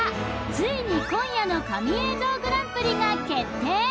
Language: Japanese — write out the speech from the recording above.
ついに今夜の神映像グランプリが決定